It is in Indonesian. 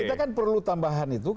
kita kan perlu tambahan itu